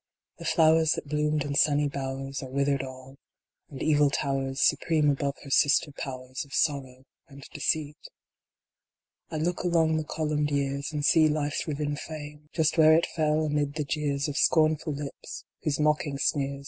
The flowers that bloomed in sunny bowers Are withered all ; and Evil towers Supreme above her sister powers Of Sorrow and Deceit I look along the columned years, And see Life s riven fane, Just where it fell, amid the jeers Of scornful lips, whose mocking sneers.